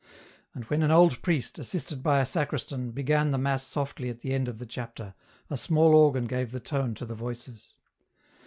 And when an old priest, assisted by a sacristan, began the mass softly at the end of the chapter, a small organ gave the tone to the voices.